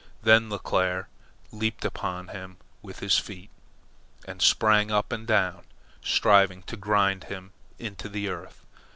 Then Leclere leaped upon him with his feet, and sprang up and down, striving to grind him into the earth.